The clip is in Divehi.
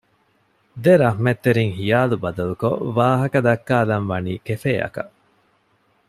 ދެރަހްމަތްތެރިން ހިޔާލު ބަދަލުކޮށް ވާހަކަދައްކާލަން ވަނީ ކެފޭއަކަށް